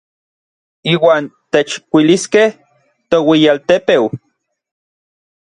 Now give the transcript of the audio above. Iuan techkuiliskej toueyialtepeu.